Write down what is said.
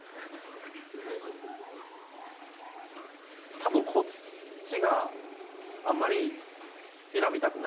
たぶんこっちがあんまり選びたくない苗。